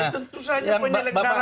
tentu saja punya negara